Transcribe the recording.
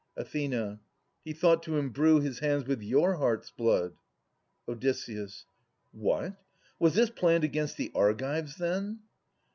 Ath. He thought to imbrue his hands with your heart's blood. Od. What ? Was this planned against the Argives, then?